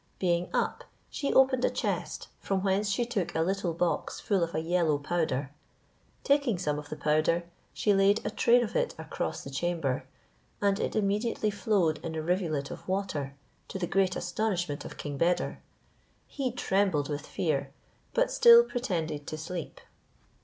Being up, she opened a chest, from whence she took a little box full of a yellow powder; taking some of the powder, she Iaid a train of it across the chamber, and it immediately flowed in a rivulet of water, to the great astonishment of King Beder. He trembled with fear, but still pretended to sleep.